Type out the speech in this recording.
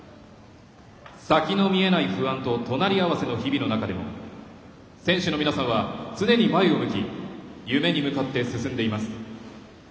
先の見えない不安と隣り合わせの日々の中でも選手の皆さんは常に前を向き夢に向かって進んでいます。